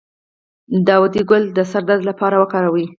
د داودي ګل د سر درد لپاره وکاروئ